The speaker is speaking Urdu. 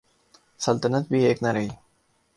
سلطنت بھی ایک نہ رہی۔